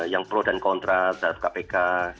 yang pro dan kontra terhadap kpk